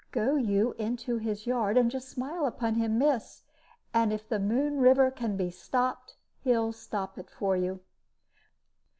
Go you into his yard, and just smile upon him, miss, and if the Moon River can be stopped, he'll stop it for you."